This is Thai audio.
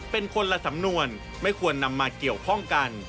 เป็นคนละสำนวนไม่ควรนำมาเกี่ยวข้องกัน